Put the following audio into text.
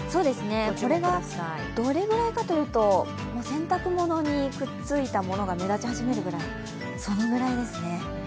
これがどれぐらいかというと洗濯物にくっついたものが目立ち始めるぐらいですね。